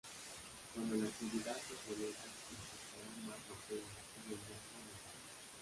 Cuando la actividad se incrementa, necesitará más materia y el gasto aumentará.